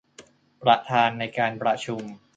ประธานในการประชุม